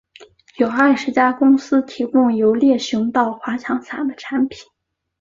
有二十家公司提供由猎熊到滑翔伞的产品。